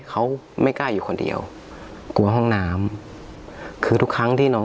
เขาไม่กล้าอยู่คนเดียวกลัวห้องน้ำคือทุกครั้งที่น้อง